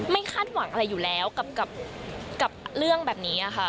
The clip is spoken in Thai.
คาดหวังอะไรอยู่แล้วกับเรื่องแบบนี้ค่ะ